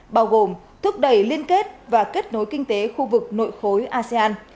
bao gồm thúc đẩy liên kết và kết nối kinh tế khu vực nội khối asean